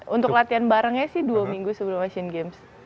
untuk latihan barengnya sih dua minggu sebelum asian games